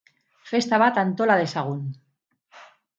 Festa bat antola dezagun!